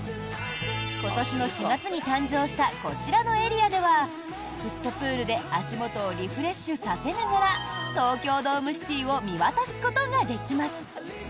今年の４月に誕生したこちらのエリアではフットプールで足元をリフレッシュさせながら東京ドームシティを見渡すことができます。